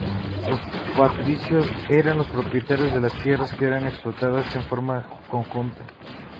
Los patricios eran los propietarios de las tierras que eran explotadas en forma conjunta.